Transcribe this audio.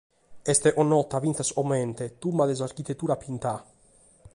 Est connota fintzas comente "Tumba de s'Architetura Pintada".